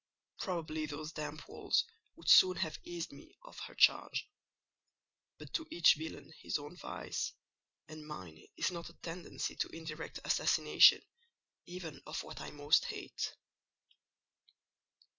Probably those damp walls would soon have eased me of her charge: but to each villain his own vice; and mine is not a tendency to indirect assassination, even of what I most hate.